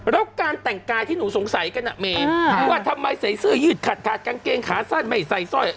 แล้วการแต่งกายที่หนูสงสัยกันอ่ะเมว่าทำไมใส่เสื้อยืดขาดกางเกงขาสั้นไม่ใส่สร้อย